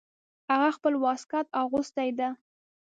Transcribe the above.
هغه خپل واسکټ اغوستی ده